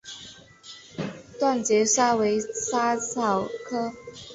断节莎为莎草科断节莎属下的一个种。